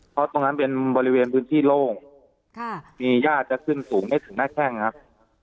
เพราะตรงนั้นเป็นบริเวณพื้นที่โล่งมีญาติจะขึ้นสูงไม่ถึงหน้าแข้งครับ